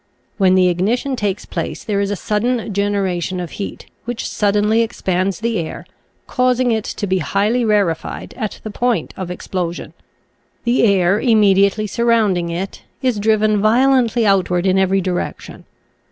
When the ignition takes place there is a sudden genera tion of heat, which suddenly expands the air, causing it to be highly rarified at the point of explosion. The air immediately surrounding it is driven violently outward in every direc tion.